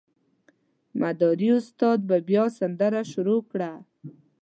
مداري استاد به بیا سندره شروع کړه.